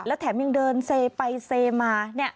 แถมยังเดินเซไปเซมา